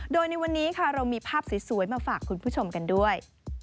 โดยในวันนี้ค่ะเรามีภาพสวยมาฝากคุณผู้ชมกันด้วย